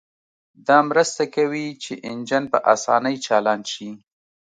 دا مرسته کوي چې انجن په اسانۍ چالان شي